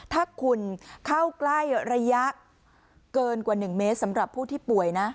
ถ้าคุณเข้าใกล้ระยะเกินกว่า๑เมตรสำหรับผู้ที่ป่วยนะ